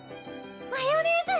マヨネーズ！